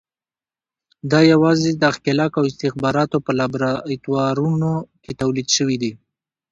دا یوازې د ښکېلاک او استخباراتو په لابراتوارونو کې تولید شوي دي.